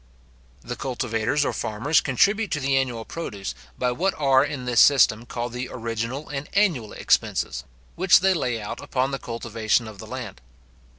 The cultivators or farmers contribute to the annual produce, by what are in this system called the original and annual expenses (depenses primitives, et depenses annuelles), which they lay out upon the cultivation of the land.